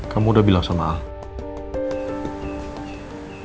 kamu udah bilang sama allah